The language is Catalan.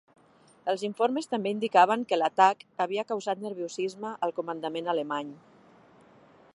Els informes també indicaven que l'atac havia causat nerviosisme al comandament alemany.